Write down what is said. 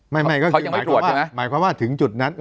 ไม่ก็คือหมายความว่าถึงจุดนั้น